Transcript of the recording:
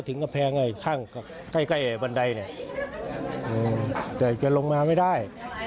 ถึงกระแพงไงข้างใกล้ใกล้ไอบันไดเนี่ยอืมแต่แจลงมาไม่ได้